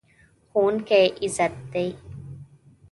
ښوونکی عزت دی.